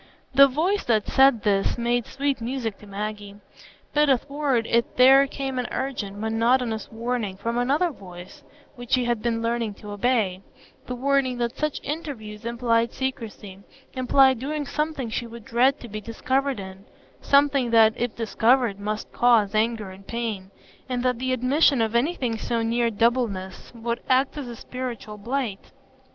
The voice that said this made sweet music to Maggie; but athwart it there came an urgent, monotonous warning from another voice which she had been learning to obey,—the warning that such interviews implied secrecy; implied doing something she would dread to be discovered in, something that, if discovered, must cause anger and pain; and that the admission of anything so near doubleness would act as a spiritual blight.